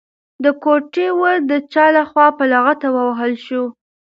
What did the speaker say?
د کوټې ور د چا لخوا په لغته ووهل شو؟